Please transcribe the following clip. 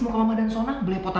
mau ke mama dan sona